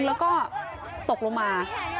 แล้วก็ตกลงมา